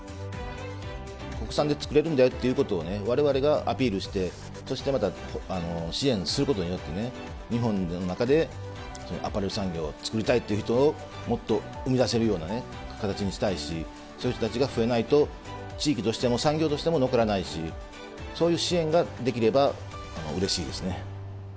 国産で作れるんだよということをわれわれがアピールして、そしてまた支援することによってね、日本の中でアパレル産業を作りたいっていう人をもっと生み出せるような形にしたいし、そういう人たちが増えないと、地域としても産業としても残らないし、そういう支援ができればうれしいですね。